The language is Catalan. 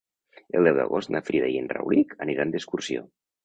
El deu d'agost na Frida i en Rauric aniran d'excursió.